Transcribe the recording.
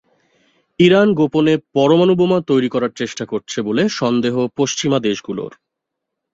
Iran গোপনে পরমাণু বোমা তৈরির চেষ্টা করছে বলে সন্দেহ পশ্চিমা দেশগুলোর।